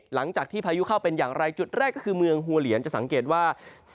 พายุเข้าเป็นอย่างไรจุดแรกก็คือเมืองหัวเหลียนจะสังเกตว่า